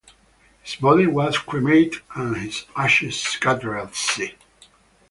His body was cremated and his ashes scattered at sea.